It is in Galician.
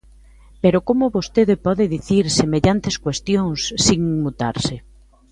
¿Pero como vostede pode dicir semellantes cuestións sen inmutarse?